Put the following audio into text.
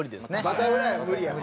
バタフライは無理やわ。